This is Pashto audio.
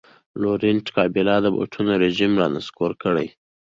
لورینټ کابیلا د موبوټو رژیم را نسکور کړ.